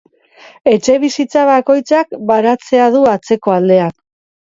Etxebizitza bakoitzak baratzea du atzeko aldean.